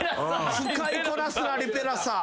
使いこなすなリペラサー。